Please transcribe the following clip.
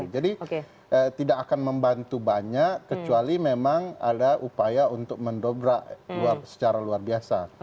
jadi tidak akan membantu banyak kecuali memang ada upaya untuk mendobrak secara luar biasa